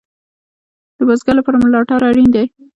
د بزګر لپاره ملاتړ اړین دی